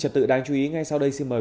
trật tự đáng chú ý ngay sau đây xin mời